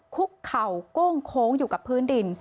คุกเข่าโก้งโค้งอยู่กับพื้นดิน